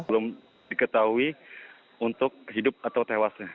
belum diketahui untuk hidup atau tewasnya